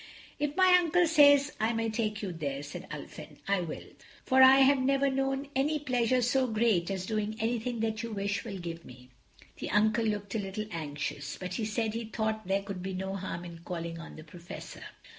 "If my Uncle says I may take you there," said Ulfin, "I will, for I have never known any pleasure so great as doing anything that you wish will give me." The Uncle looked a little anxious, but he said he thought there could be no harm in calling on the Professor.